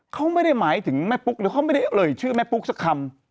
เขาไม่ได้หมายถึงแม่ปุ๊กหรือเขาไม่ได้เอ่ยชื่อแม่ปุ๊กสักคำ